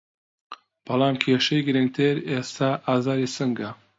بەڵام کیشەی گرنگتر ئێستا ئازاری سنگه